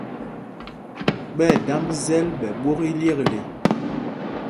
Ɓɛ̂ damb zɛl ɓɛ ɓwok iyekle.